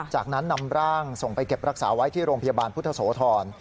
จากนั้นนำร่างส่งไปเก็บรักษาไว้ที่โรงพยาบาลพุทธโสธร